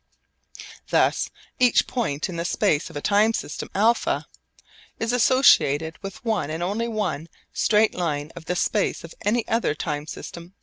Thus each point in the space of a time system α is associated with one and only one straight line of the space of any other time system β.